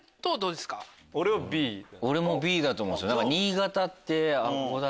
俺もＢだと思うんすよ。